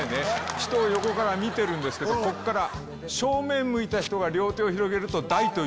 人を横から見てるんですけどこっから正面向いた人が両手を広げると。